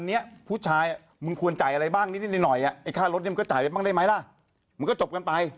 รถนี้มึงก็จ่ายไปบ้างได้ไหมล่ะมึงก็จบกันไป